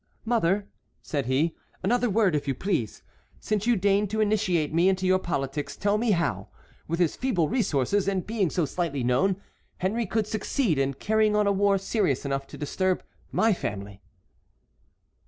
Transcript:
"Mother," said he, "another word, if you please. Since you deign to initiate me into your politics, tell me how, with his feeble resources, and being so slightly known, Henry could succeed in carrying on a war serious enough to disturb my family?"